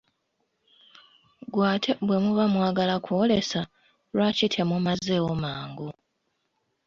Ggwe ate bwe muba mwagala kw'olesa, lwaki temumazeewo mangu?